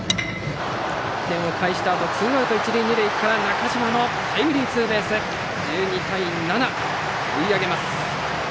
１点返したあとツーアウト、一塁二塁から中島のタイムリーツーベース１２対７と追い上げます。